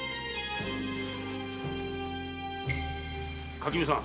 垣見さん。